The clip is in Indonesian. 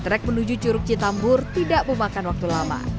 trek menuju curug citambur tidak memakan waktu lama